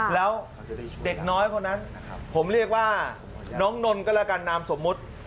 แล้วเด็กน้อยคนนั้นผมเรียกว่าน้องนนท์ก็แล้วกันนามสมมุติ